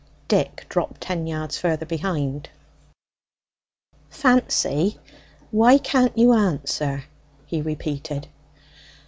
Dick dropped ten yards further behind. "Fancy, why can't you answer?" he repeated.